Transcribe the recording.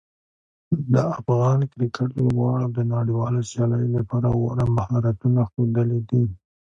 د افغان کرکټ لوبغاړو د نړیوالو سیالیو لپاره غوره مهارتونه ښودلي دي.